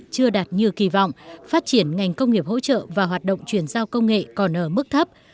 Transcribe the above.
chưa đạt như kỳ vọng phát triển ngành công nghiệp hỗ trợ và hoạt động chuyển giao công nghệ còn ở mức thấp